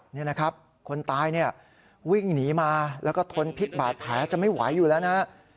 นี่นะครับคนตายเนี่ยวิ่งหนีมาแล้วก็ทนพิษบาดแผลจะไม่ไหวอยู่แล้วนะฮะ